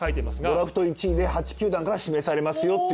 ドラフト１位で８球団から指名されますよっていう。